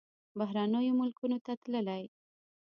بهرنیو ملکونو ته تللی.